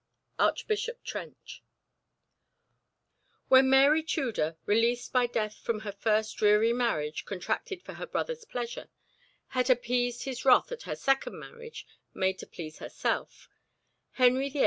Archbishop Trench. When Mary Tudor, released by death from her first dreary marriage, contracted for her brother's pleasure, had appeased his wrath at her second marriage made to please herself, Henry VIII.